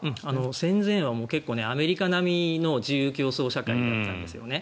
戦前は結構、アメリカ並みの自由競争社会だったんですよね。